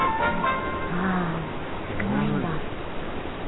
ああ少ないんだ。